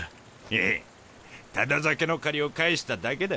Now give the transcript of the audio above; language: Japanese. ヘヘッタダ酒の借りを返しただけだ。